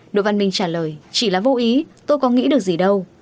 đỗ văn minh trả lời chỉ là vô ý tôi có nghĩ được gì đâu